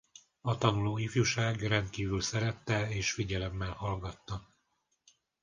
A tanuló ifjúság rendkívül szerette és figyelemmel hallgatta.